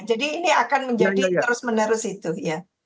jadi ini akan menjadi terus menerus itu ya